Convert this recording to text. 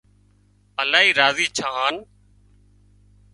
لاهي راضي ڇان هانَ